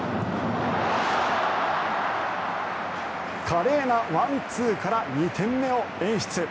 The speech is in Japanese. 華麗なワンツーから２点目を演出。